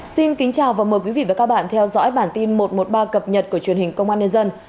xin kính chào và mời quý vị và các bạn theo dõi bản tin một trăm một mươi ba cập nhật của truyền hình công an nhân dân